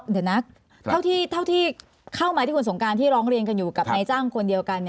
เดี๋ยวนะเท่าที่เข้ามาที่คุณสงการที่ร้องเรียนกันอยู่กับนายจ้างคนเดียวกัน